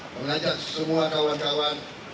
mengajak semua kawan kawan